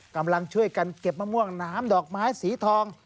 กำลังช่วยกันเก็บมะม่วงน้ำดอกไม้สีทอง